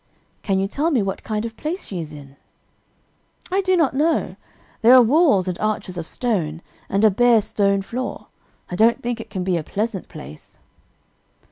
"Can you tell me what kind of place she is in?" "I do not know. There are walls and arches of stone, and a bare stone floor. I don't think it can be a pleasant place."